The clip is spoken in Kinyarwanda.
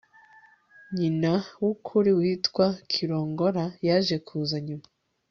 nyina w'ukuri witwa kirongora yaje kuza nyuma